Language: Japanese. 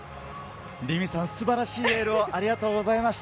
凛美さん、素晴らしいエールをありがとうございました。